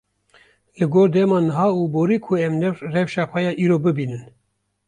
li gor dema niha û borî ku em rewşa xwe ya îro bibînin.